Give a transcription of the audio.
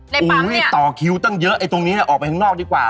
ในปั๊มเนี่ยอุ๊ยต่อคิ้วตั้งเยอะไอ้ตรงนี้ออกไปข้างนอกดีกว่า